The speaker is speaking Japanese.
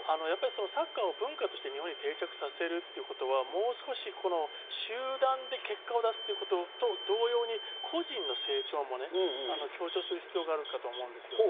サッカーを文化として日本に定着させるには、集団で結果を出すことと同様に、個人の成長も強調する必要があるかと思います。